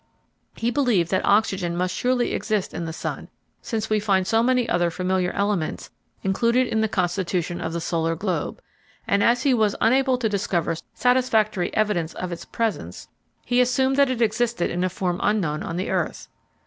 He believed that oxygen must surely exist in the sun since we find so many other familiar elements included in the constitution of the solar globe, and as he was unable to discover satisfactory evidence of its presence he assumed that it existed in a form unknown on the earth.